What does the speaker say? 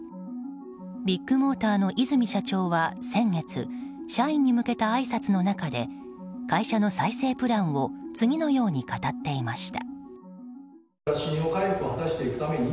ビッグモーターの和泉社長は先月社員に向けたあいさつの中で会社の再生プランを次のように語っていました。